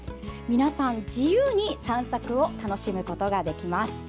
皆さん自由に散策を楽しむことができます。